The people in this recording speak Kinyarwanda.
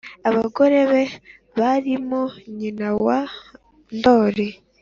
abagore be barimo nyina wa ndoli